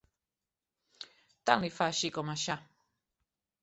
Tant li fa així com aixà.